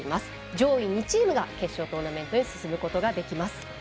上位２チームが決勝トーナメントへ進むことができます。